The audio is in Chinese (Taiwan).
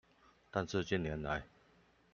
但是近年來